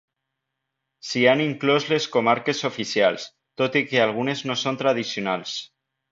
S'hi han inclòs les comarques oficials, tot i que algunes no són tradicionals.